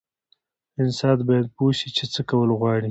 انسان باید پوه شي چې څه کول غواړي.